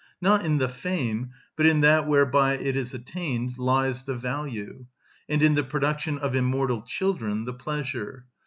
Not in the fame, but in that whereby it is attained, lies the value, and in the production of immortal children the pleasure.